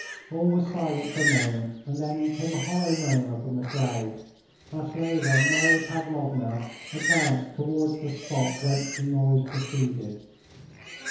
All was silent for a moment and then came a hollow murmur from the crowd. Maslova and Mary Pavlovna advanced towards the spot whence the noise proceeded.